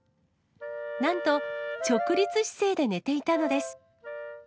なんと、直立姿勢で寝ていたのです。